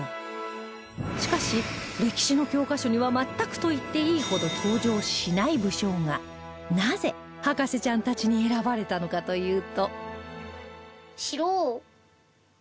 しかし歴史の教科書には全くと言っていいほど登場しない武将がなぜ博士ちゃんたちに選ばれたのかというと